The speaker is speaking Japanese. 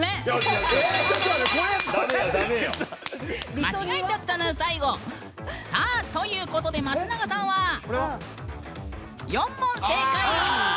間違えちゃったぬーん最後。ということで、松永さんは４問正解！